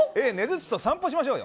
ちと散歩しましょうよ。